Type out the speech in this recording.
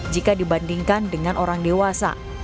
jika dibandingkan dengan orang dewasa